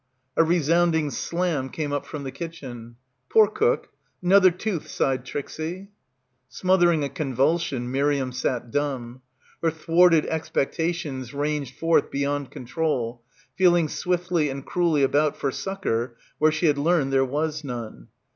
A resounding slam came up from the kitchen. "Poor cook — another tooth," sighed Trbrie. Smothering a convulsion, Miriam sat dumb. Her thwarted expectations ranged forth beyond control, feeling swiftly and cruelly about for succour where she had learned there was none.